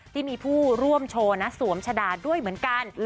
ที่มีผู้ร่วมโชว์นะสวมชะดาด้วยเหมือนกัน